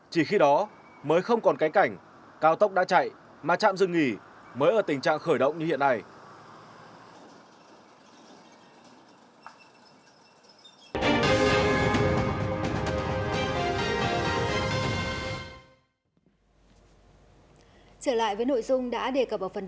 chỉ khi đó mới không còn cánh cảnh cao tốc đã chạy mà trạm dừng nghỉ mới ở tình trạng khởi động như hiện nay